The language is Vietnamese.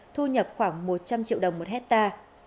thu nhập khoảng một trăm linh triệu đồng một hectare